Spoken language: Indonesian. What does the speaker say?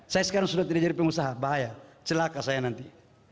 saya sekarang sudah tidak jadi pengusaha bahaya celaka saya nanti